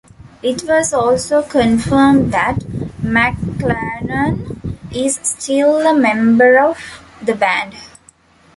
It was also confirmed that McClarnon is still a member of the band.